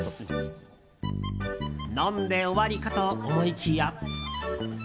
飲んで終わりかと思いきや。